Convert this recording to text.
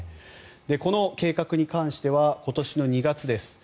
この計画に関しては今年の２月です